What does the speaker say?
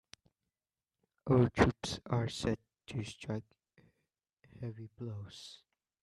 Our troops are set to strike heavy blows.